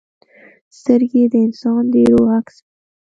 سترګې د انسان د روح عکس وي